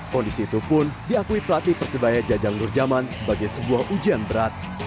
kondisi itu pun diakui pelatih persebaya jajang nurjaman sebagai sebuah ujian berat